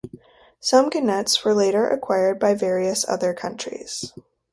Some Gannets were later acquired by various other countries.